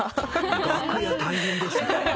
楽屋大変ですね。